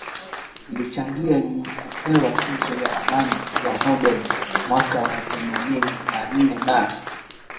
zilichangia yeye kupewa tuzo ya amani ya Nobel mwaka wa themanini na nne Na